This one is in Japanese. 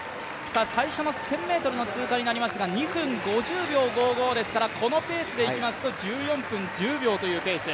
最初の１０００ｍの通過は２分５０秒５５ですからこのペースでいきますと１４分１０秒というペース。